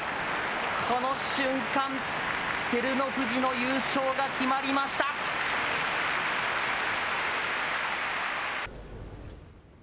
この瞬間照ノ富士の優勝が決まりました。